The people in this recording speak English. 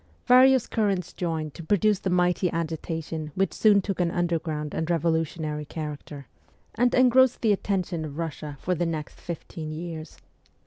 Various currents joined to produce the mighty agitation which soon took 40 MEMOIRS OF A REVOLUTIONIST an underground and revolutionary character, and engrossed the attention of Russia for the next fifteen years.